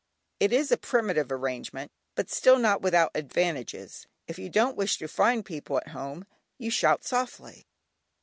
It is a primitive arrangement, but still, not without advantages. If you don't wish to find people at home, you shout softly.